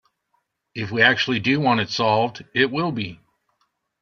If we actually do want it solved, it will be.